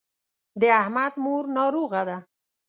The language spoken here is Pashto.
د احمد مور ناروغه ده.